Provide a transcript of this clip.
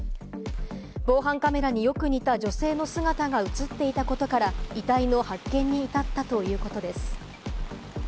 防犯カメラによく似た女性の姿が映っていたことから、遺体の発見に至ったということです。